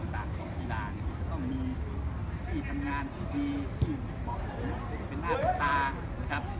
องค์ประปอบต่างของธีราที่ต้องมีที่ทำงานที่ดี